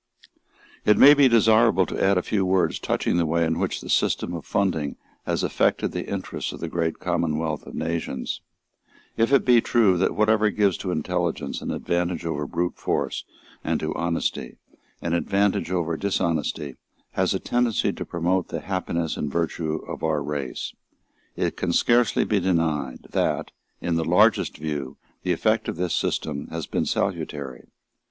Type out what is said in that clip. It may be desirable to add a few words touching the way in which the system of funding has affected the interests of the great commonwealth of nations. If it be true that whatever gives to intelligence an advantage over brute force and to honesty an advantage over dishonesty has a tendency to promote the happiness and virtue of our race, it can scarcely be denied that, in the largest view, the effect of this system has been salutary.